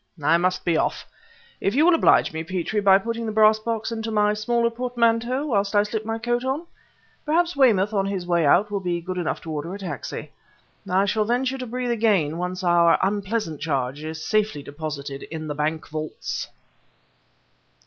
I must be off. If you will oblige me, Petrie, by putting the brass box into my smaller portmanteau, whilst I slip my coat on, perhaps Weymouth, on his way out, will be good enough to order a taxi. I shall venture to breathe again once our unpleasant charge is safely deposited in the bank vaults!"